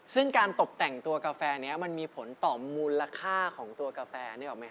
ซึ่งการตบแต่งตัวกาแฟนี้มันมีผลต่อมูลค่าของตัวกาแฟ